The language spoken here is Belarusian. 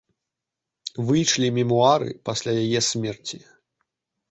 Выйшлі мемуары пасля яе смерці.